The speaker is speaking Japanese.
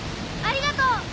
ありがとう。